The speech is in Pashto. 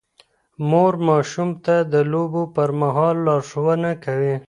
مور ماشوم ته د لوبو پر مهال لارښوونه کوي.